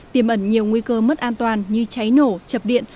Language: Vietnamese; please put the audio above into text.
tiềm ẩn nhiều nguy cơ mất an toàn như cháy nổ chập điện